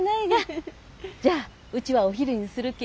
じゃうちはお昼にするき